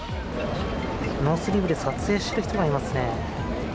ノースリーブで撮影している人がいますね。